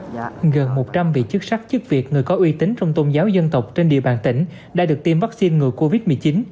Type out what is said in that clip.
gần một trăm linh vị chức sắc chức việc người có uy tín trong tôn giáo dân tộc trên địa bàn tỉnh đã được tiêm vaccine ngừa covid một mươi chín